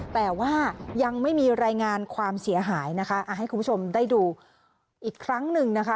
แต่ว่ายังไม่มีรายงานความเสียหายนะคะให้คุณผู้ชมได้ดูอีกครั้งหนึ่งนะคะ